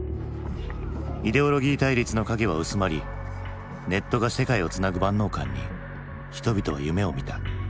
イデオロギー対立の影は薄まりネットが世界をつなぐ万能感に人々は夢をみた。